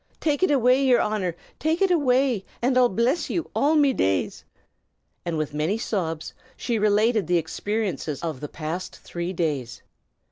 Take it away, yer Honor, take it away, and I'll bliss ye all me days!" and, with many sobs, she related the experiences of the past three days.